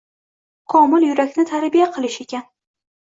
Komil yurakni tarbiya qilish ekan.